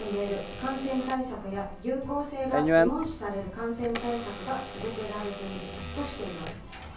感染対策や有効性が疑問視される感染対策が続けられているとしています。